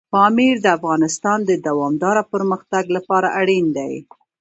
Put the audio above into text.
پامیر د افغانستان د دوامداره پرمختګ لپاره اړین دي.